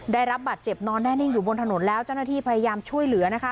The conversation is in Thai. ได้รับบาดเจ็บนอนแน่นิ่งอยู่บนถนนแล้วเจ้าหน้าที่พยายามช่วยเหลือนะคะ